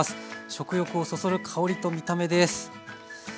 食欲をそそる香りと見た目です。